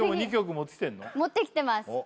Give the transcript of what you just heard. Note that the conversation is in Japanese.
持ってきてます